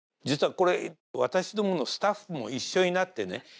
実はこれ私どものスタッフも一緒になってね